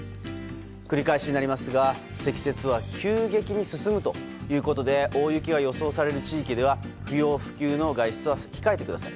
繰り返しになりますが積雪は急激に進むということで大雪が予想される地域では不要不急の外出は控えてください。